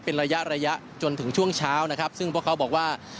เป็นระยะระยะจนถึงช่วงเช้านะครับซึ่งพวกเขาบอกว่า